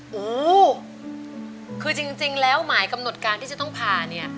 โอ้โหคือจริงแล้วหมายกำหนดการที่จะต้องผ่าเนี่ย